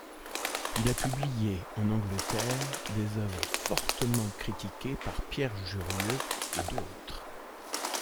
Il a publié en Angleterre des œuvres fortement critiquées par Pierre Jurieu et d'autres.